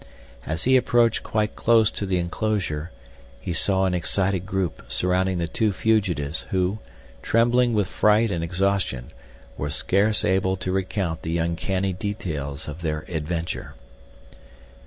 As he approached quite close to the enclosure he saw an excited group surrounding the two fugitives, who, trembling with fright and exhaustion, were scarce able to recount the uncanny details of their adventure.